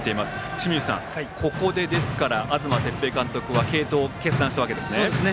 清水さん、ここで東哲平監督は継投を計算したわけです。